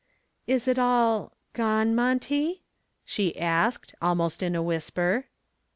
"Is it all gone, Monty?" she asked, almost in a whisper.